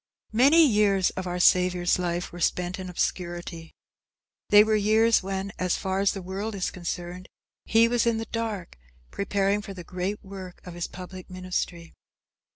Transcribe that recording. Many years of our Saviour's life were spent in obscurity. They were years when, as far as the world is concerned, he was in the dark, preparing for the great work of his public ministry.